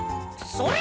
それ。